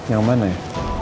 yang mana ya